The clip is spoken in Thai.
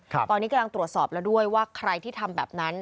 ตอนนี้กำลังตรวจสอบแล้วด้วยว่าใครที่ทำแบบนั้น